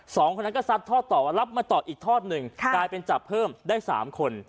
สองคนนั้นก็ซัดทอดต่อว่ารับมาต่ออีกทอดหนึ่งกลายเป็นจับเพิ่มได้สามคน